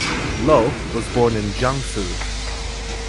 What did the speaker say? Loh was born in Jiangsu.